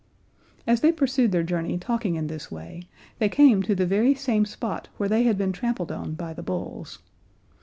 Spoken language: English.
As they pursued their journey talking in this way they came to the very same spot where they had been trampled on by the bulls.